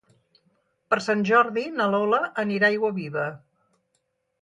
Per Sant Jordi na Lola anirà a Aiguaviva.